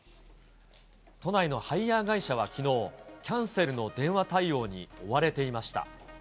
都内のハイヤー会社はきのう、キャンセルの電話対応に追われていました。